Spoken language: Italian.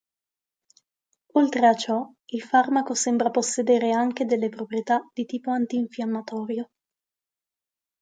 Oltre a ciò il farmaco sembra possedere anche delle proprietà di tipo antinfiammatorio.